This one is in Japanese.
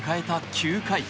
９回。